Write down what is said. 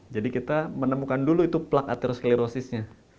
jadi kita menemukan dulu itu plak atherosklerosisnya